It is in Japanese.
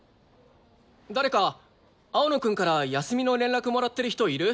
誰か青野くんから休みの連絡もらってる人いる？